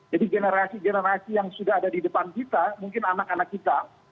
jadi generasi generasi yang sudah ada di depan kita mungkin anak anak kita